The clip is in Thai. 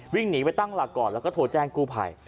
วิ่งหนีไปตั้งหลักก่อนแล้วก็โทรแจ้งกู้ภัย